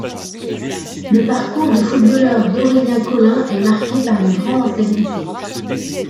Le parcours de footballeur d'Aurélien Collin est marqué par une grande instabilité.